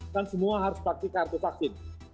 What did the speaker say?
kan semua harus pakai kartu vaksin